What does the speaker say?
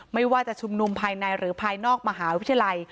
ไม่ว่าจะชุมนุมภายในหรือภายนอกมหาวิทยาลัย